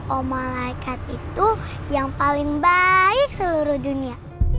oh malaikat itu yang paling baik seluruh dunia